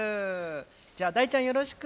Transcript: じゃあ大ちゃんよろしく！